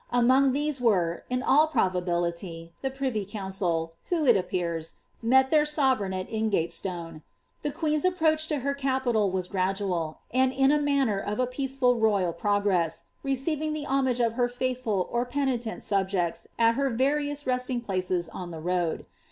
Among ihese were, in all probability, the privy council. w:;o, it appears, met their sovereign at Ingatestone. The queen's approach to her capital was gradual, and in the manner of a peaceful royal* progress, receiving the homage of her faithful or penitent subjects at her \*arioDS resting places on the ro id.